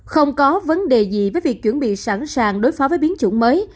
không có vấn đề gì với việc chuẩn bị sẵn sàng đối phó với biến chủng mới